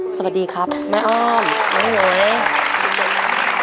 สวัสดีครับแม่อ้อมน้องเอ๋ย